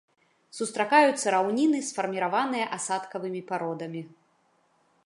Сустракаюцца раўніны, сфарміраваныя асадкавымі пародамі.